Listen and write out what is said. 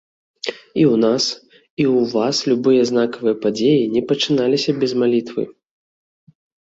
І ў нас, і ў вас любыя знакавыя падзеі не пачыналіся без малітвы.